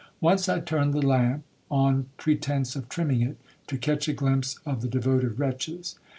Once I turned the lamp, on pretence of trimming it, to catch a glimpse of the devoted wretches.